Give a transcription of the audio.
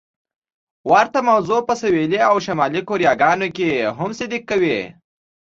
ورته موضوع په سویلي او شمالي کوریاګانو کې هم صدق کوي.